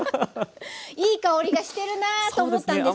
いい香りがしてるなと思ったんですけれども。